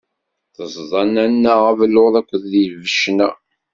Teẓda nanna abelluḍ akked d lbecna.